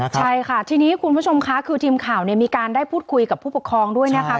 ใช่ค่ะทีนี้คุณผู้ชมค่ะคือทีมข่าวมีการได้พูดคุยกับผู้ปกครองด้วยนะคะ